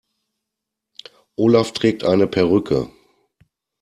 Olaf trägt eine Perücke.